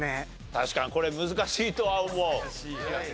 確かにこれ難しいとは思う。